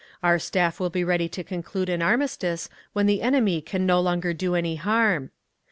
Our Staff will be ready to conclude an armistice when the enemy can no longer do any harm….